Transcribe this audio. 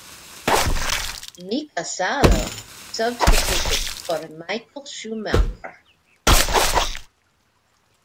Mika Salo substituted for Michael Schumacher.